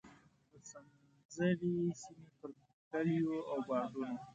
د سنځري سیمې پر کلیو او بانډونو.